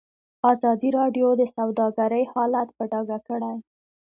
ازادي راډیو د سوداګري حالت په ډاګه کړی.